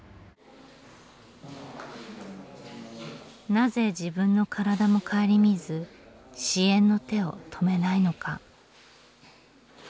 なぜ自分の体もかえりみず支援の手を止めないのか。